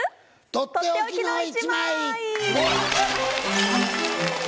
とっておきの１枚。